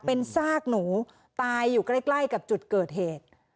เป็นซากหนูตายอยู่ใกล้กับจุดเกิดเหตุ